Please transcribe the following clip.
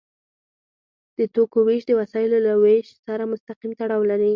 د توکو ویش د وسایلو له ویش سره مستقیم تړاو لري.